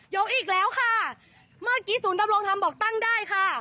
อีกแล้วค่ะเมื่อกี้ศูนย์ดำรงธรรมบอกตั้งได้ค่ะ